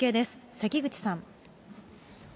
関口さん。